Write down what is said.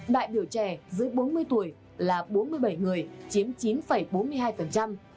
đại biểu trẻ dưới bốn mươi tuổi là bốn mươi bảy người chiếm chín bốn mươi hai